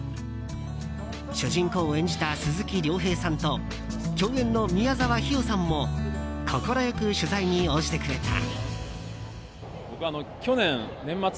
主人公を演じた鈴木亮平さんと共演の宮沢氷魚さんも快く取材に応じてくれた。